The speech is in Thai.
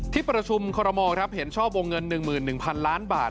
ที่ประชุมคอรมอลเห็นชอบวงเงิน๑๑๐๐๐ล้านบาท